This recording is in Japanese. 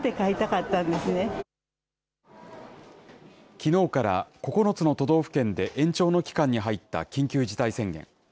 きのうから９つの都道府県で延長の期間に入った緊急事態宣言。